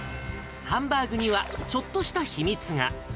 ハンバーグにはちょっとした秘密が。